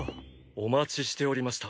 お待ちしておりました。